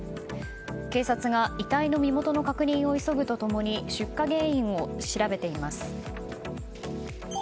警察が遺体の身元の確認を急ぐと共に出火原因を調べています。